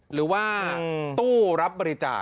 หรือว่าตู้รับบริจาค